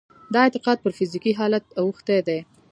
دا اعتقاد پر فزيکي حالت اوښتی دی.